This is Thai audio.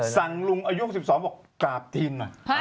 สั่งลุงอายุของ๑๒บอกกราบทิ้น